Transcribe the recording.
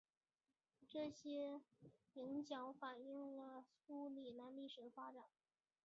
这些影响反映了苏里南历史的发展。